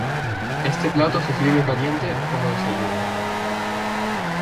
Este plato se sirve caliente como desayuno.